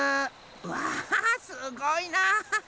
わすごいな！